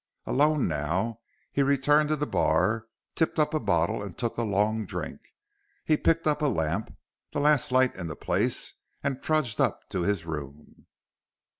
Alone now, he returned to the bar, tipped up a bottle and took a long drink. He picked up a lamp, the last light in the place, and trudged up to his room.